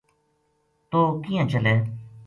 توہ کیناں چلے